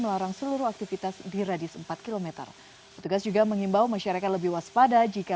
melarang seluruh aktivitas di radius empat km petugas juga mengimbau masyarakat lebih waspada jika